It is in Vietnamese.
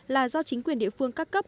là do chính quyền địa phương các cấp